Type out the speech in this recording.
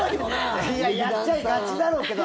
やっちゃいがちだろうけど。